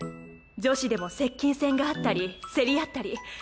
女子でも接近戦があったり競り合ったり。